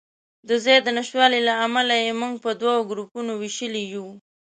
د ځای د نشتوالي له امله یې موږ په دوو ګروپونو وېشلي یو.